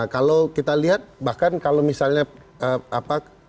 kalau kita lihat bahkan kalau misalnya apa